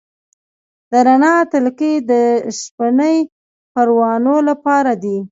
د رڼا تلکې د شپنۍ پروانو لپاره دي؟